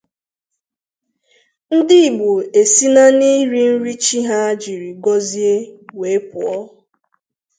ndị Igbo esina n'iri nri chi ha jiri gọzie wee pụọ